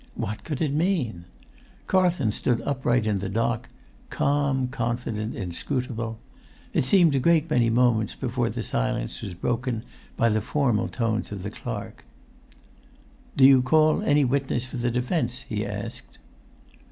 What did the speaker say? What could it mean? Carlton stood upright in the dock, calm, confident, inscrutable; it seemed a great many moments before the silence was broken by the formal tones of the clerk. "Do you call any witness for the defence?" he asked.